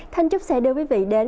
thanh trúc sẽ đưa quý vị đến